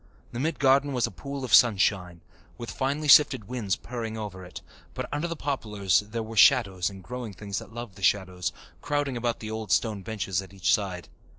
The mid garden was a pool of sunshine, with finely sifted winds purring over it, but under the poplars there were shadows and growing things that loved the shadows, crowding about the old stone benches at each side.